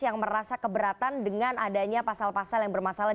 yang merasa keberatan dengan adanya pasal pasal yang bermasalah